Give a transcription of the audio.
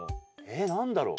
え何だろう？